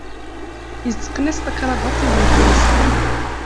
Yetteqen-as takrabaḍt i uydi-nnes.